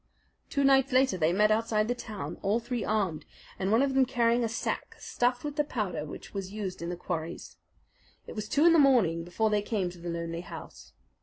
Two nights later they met outside the town, all three armed, and one of them carrying a sack stuffed with the powder which was used in the quarries. It was two in the morning before they came to the lonely house.